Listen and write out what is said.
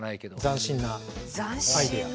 斬新なアイデア。